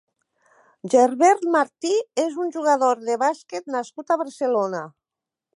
Gerbert Martí és un jugador de bàsquet nascut a Barcelona.